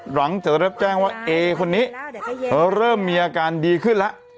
หลังเจอรับแจ้งว่าเอคนนี้เริ่มมีอาการดีขึ้นแล้ว